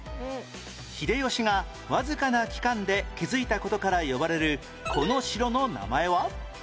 秀吉がわずかな期間で築いた事から呼ばれるこの城の名前は？